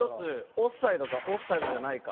オフサイドかオフサイドじゃないか